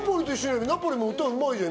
ナポリも歌うまいじゃん。